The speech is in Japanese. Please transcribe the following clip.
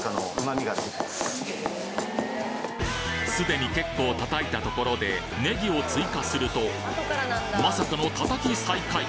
すでに結構叩いたところでネギを追加するとまさかの叩き再開